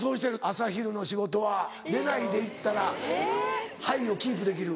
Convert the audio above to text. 朝昼の仕事は寝ないで行ったらハイをキープできる。